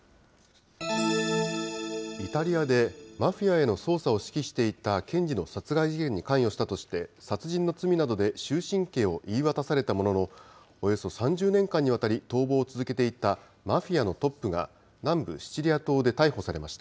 イタリアで、マフィアへの捜査を指揮していた検事の殺害事件に関与したとして、殺人の罪などで終身刑を言い渡されたものの、およそ３０年間にわたり、逃亡を続けていたマフィアのトップが、南部シチリア島で逮捕されました。